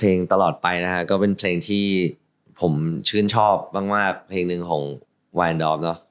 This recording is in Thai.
เพลงตลอดไปนะครับก็เป็นเพลงที่ผมชื่นชอบมากเพลงหนึ่งของวายลันดอมเนอะ